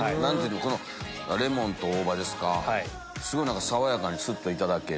このレモンと大葉ですか爽やかにすっといただける。